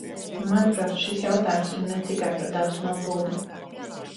Manuprāt, šis jautājums ir ne tikai par datu noplūdi.